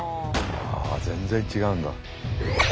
あ全然違うんだ。